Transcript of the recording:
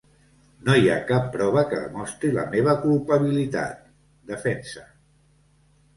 No hi ha cap prova que demostri la meva culpabilitat, defensa.